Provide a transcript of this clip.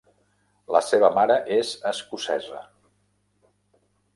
La seva mare és escocesa.